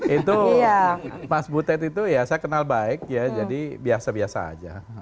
itu mas butet itu ya saya kenal baik ya jadi biasa biasa aja